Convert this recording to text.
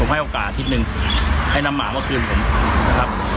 ให้โอกาสอาทิตย์หนึ่งให้นำหมามาคืนผมนะครับ